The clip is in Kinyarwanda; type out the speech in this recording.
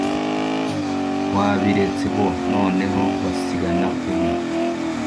wabiretse bo noneho basigana kubi